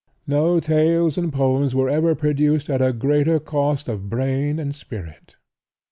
No tales and poems were ever produced at a greater cost of brain and spirit.